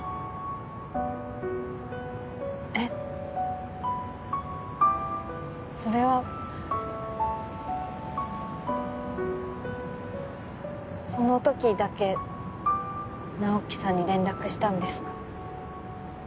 えっそれはその時だけ直木さんに連絡したんですか？